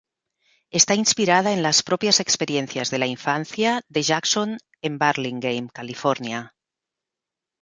Está inspirada en las propias experiencias de la infancia de Jackson en Burlingame, California.